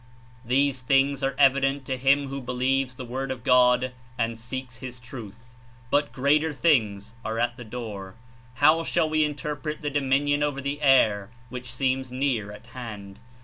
These things are evident to him who believes the Word of God and seeks his Truth, but greater things are at the door. How shall we Interpret the domin ion over the air, which seems near at hand?